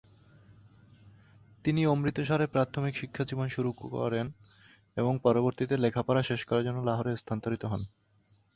তিনি অমৃতসরে প্রাথমিক শিক্ষাজীবন শুরু করেন এবং পরবর্তীতে লেখাপড়া শেষ করার জন্য লাহোরে স্থানান্তরিত হন।